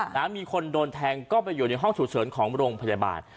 นะมีคนโดนแทงก็ไปอยู่ในห้องฉุกเฉินของโรงพยาบาล